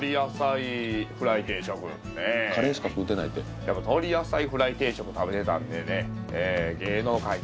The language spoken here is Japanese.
やっぱ鳥野菜フライ定食食べてたんでね。